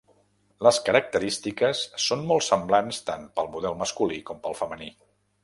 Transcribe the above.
Les característiques són molt semblants tant pel model masculí com pel femení.